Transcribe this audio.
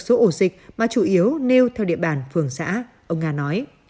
số ổ dịch mà chủ yếu nêu theo địa bàn phường xã ông nga nói